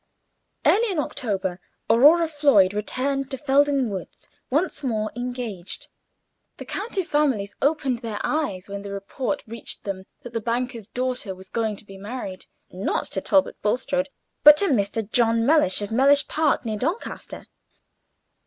Early in October Aurora Floyd returned to Felden Woods, once more "engaged." The county families opened their eyes when the report reached them that the banker's daughter was going to be married, not to Talbot Bulstrode, but to Mr. John Mellish, of Mellish Park, near Doncaster.